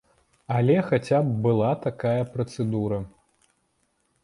Але хаця б была такая працэдура.